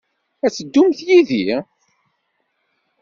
Ad teddumt yid-i?